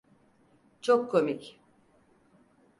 Çok komik.